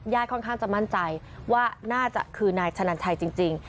ค่อนข้างจะมั่นใจว่าน่าจะคือนายชะนันชัยจริง